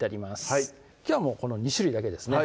はいきょうはこの２種類だけですね